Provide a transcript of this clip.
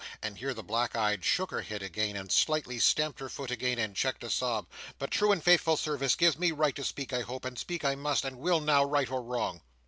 —and here the black eyed shook her head again, and slightly stamped her foot again, and checked a sob; "but true and faithful service gives me right to speak I hope, and speak I must and will now, right or wrong."